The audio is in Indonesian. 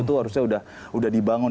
itu harusnya udah dibangun